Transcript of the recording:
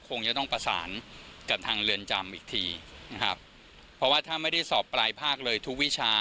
คงจะต้องประสานกับทางเรือนจำอีกทีนะครับเพราะว่าถ้าไม่ได้สอบปลายภาคเลยทุกวิชา